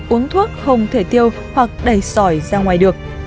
uống thuốc không thể tiêu hoặc đẩy sỏi ra ngoài được